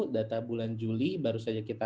data bulan juli baru saja kita